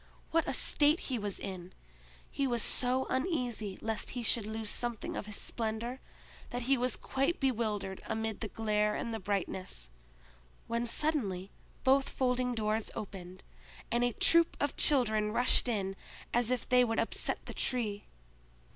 What a state he was in! He was so uneasy lest he should lose something of his splendor, that he was quite bewildered amid the glare and brightness; when suddenly both folding doors opened, and a troop of children rushed in as if they would upset the Tree.